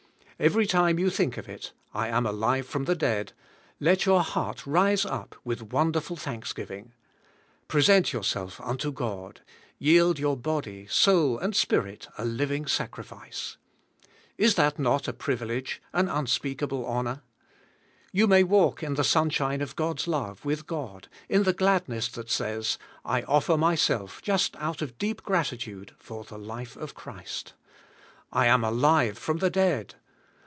Every time you think of it, *'I am alive from the dead," let your heart rise up with wonderful thanksgiving. Present yourself unto God, yield your body, soul, and spirit a living sacrifice. Is that not a privilege, an unspeakable honor? You may walk in the sunshine of God's love with God, in the gladness that says, I offer my self just out of deep gratitude for the life of Christ. I am alive from the dead.